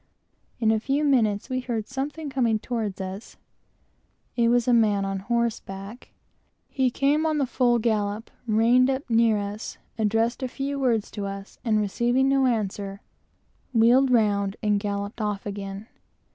In a few minutes we heard something coming towards us. It was a man on horseback. He came up on the full gallop, reined up near us, addressed a few words to us, and receiving no answer, wheeled around and galloped off again.